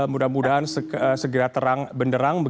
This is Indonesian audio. mudah mudahan segera terang benderang